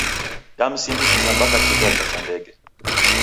Damsindikiza mpaka kiw'acha cha ndege.